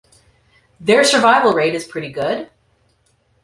Their survival rate is pretty good.